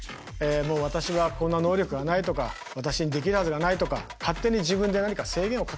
私はこんな能力がないとか私にできるはずがないとか勝手に自分で何か制限をかけちゃってんですよね。